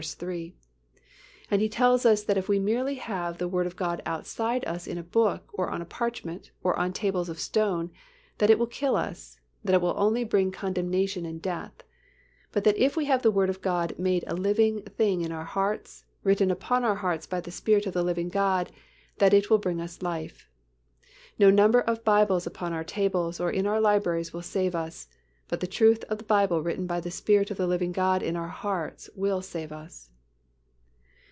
3) and he tells us that if we merely have the Word of God outside us in a Book or on parchment or on tables of stone, that it will kill us, that it will only bring condemnation and death, but that if we have the Word of God made a living thing in our hearts, written upon our hearts by the Spirit of the living God, that it will bring us life.(2) No number of Bibles upon our tables or in our libraries will save us, but the truth of the Bible written by the Spirit of the living God in our hearts will save us.